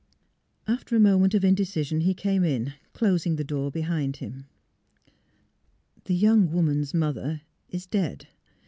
After a moment of indecision he came in, clos ing the door behind him. " The young woman's mother is dead."